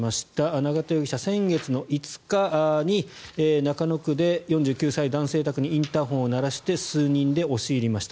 永田容疑者、先月５日に中野区で４９歳男性宅にインターホンを鳴らして数人で押し入りました。